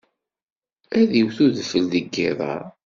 Ad d-iwet udfel deg yiḍ-a?